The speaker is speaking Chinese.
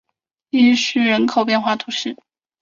伊叙人口变化图示